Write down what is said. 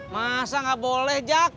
masa nggak boleh jack